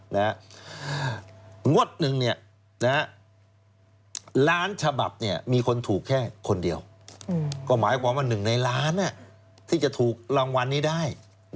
งดหนึ่งล้านฉบับมีคนถูกแค่คนเดียวก็หมายความว่า๑ในล้านที่จะถูกรางวัลนี้ได้